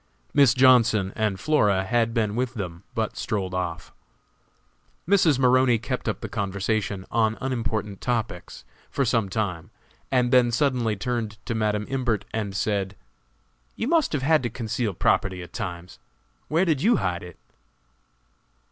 Miss Johnson and Flora had been with them, but strolled off. Mrs. Maroney kept up the conversation, on unimportant topics, for some time, and then suddenly turned to Madam Imbert and said: "You must have had to conceal property at times! Where did you hide it?"